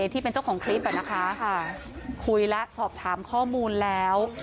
ที่เป็นเจ้าของคลิปคุยแล้วสอบถามข้อมูลแล้ว